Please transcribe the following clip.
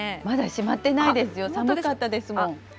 まだしまってないですよ、寒かったですもん。